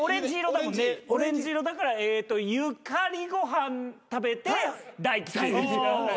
オレンジ色だからゆかりご飯食べて大吉。